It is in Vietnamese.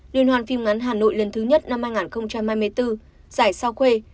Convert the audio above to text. liên hoan phim ngắn hà nội lần thứ nhất năm hai nghìn hai mươi bốn giải sao khuê